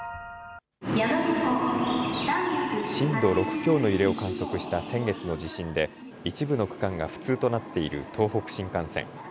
震度６強の揺れを観測した先月の地震で一部の区間が不通となっている東北新幹線。